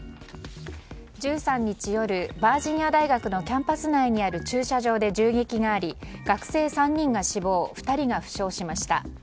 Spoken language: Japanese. １３日夜、バージニア大学のキャンパス内にある駐車場で銃撃があり学生３人が死亡２人が負傷しました。